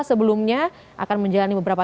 sebelumnya akan menjalani beberapa